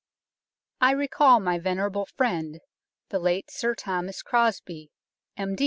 I recall my venerable friend, the late Sir Thomas Crosby, M.